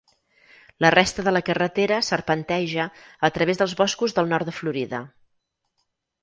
La resta de la carretera serpenteja a través dels boscos del nord de Florida.